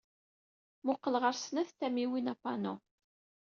Muqel ɣer snat tamiwin upanu.